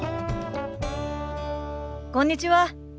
こんにちは。